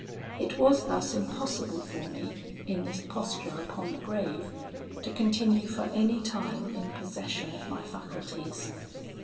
It was thus impossible for me, in this posture upon the grave, to continue for any time in possession of my faculties.